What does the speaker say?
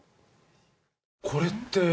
これって。